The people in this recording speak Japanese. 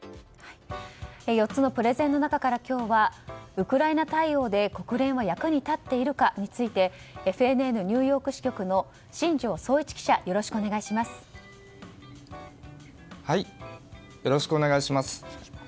４つのプレゼンの中から今日はウクライナ対応で国連は役に立っているかについてＦＮＮニューヨーク支局の新庄壮一記者よろしくお願いします。